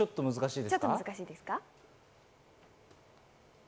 ちょっと難しいですか？